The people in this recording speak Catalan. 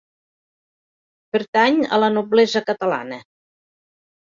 Pertany a la noblesa catalana.